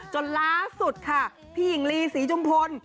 จนล่าสุดค่ะพี่หญิงลีศรีจุมพล